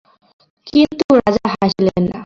কিন্তু রাজা হাসিলেন না।